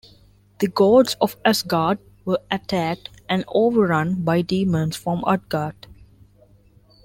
The gods of Asgard were attacked and overrun by demons from Utgard.